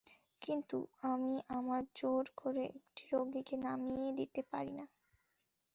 কিন্তু আমি আমার জোর করে একটি রোগীকে নামিয়ে দিতে পারি না।